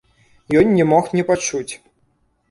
Ён не мог не пачуць.